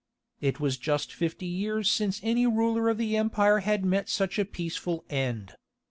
It was just fifty years since any ruler of the empire had met such a peaceful end.